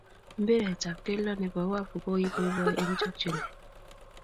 Mpiret ab kelto ne bo Wavu ko iboiboi eng chokchinee.